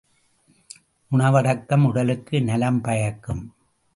உணவடக்கம் உடலுக்கு நலம் பயக்கும்.